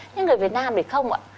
như người việt nam thì không ạ